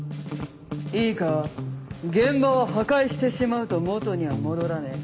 いいか現場は破壊してしまうと元には戻らねえ。